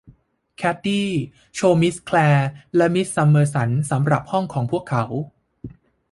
แคดดี้ โชว์มิสแคลร์และมิสซัมเมอสันสำหรับห้องของพวกเขา